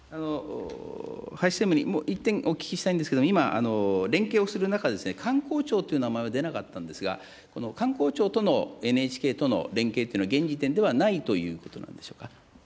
林専務にもう一点、お聞きしたいんですけれども、今、連携をする中で、観光庁という名前は出なかったんですが、この観光庁との、ＮＨＫとの連携というのは現時点ではないということなんでし